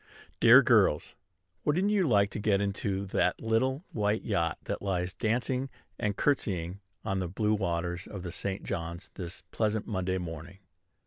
Dear girls, wouldn't you like to get into that little white yacht that lies dancing and courtesying on the blue waters of the St. John's this pleasant Monday morning?